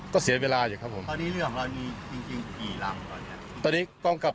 ก็เสียเวลาอย่างนี้ครับ